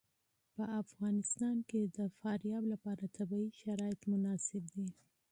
په افغانستان کې د فاریاب لپاره طبیعي شرایط مناسب دي.